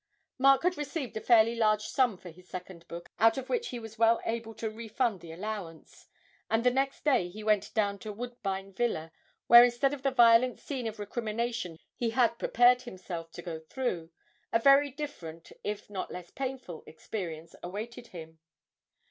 Mark had received a fairly large sum for his second book, out of which he was well able to refund the allowance, and the next day he went down to Woodbine Villa, where, instead of the violent scene of recrimination he had prepared himself to go through, a very different, if not less painful, experience awaited him.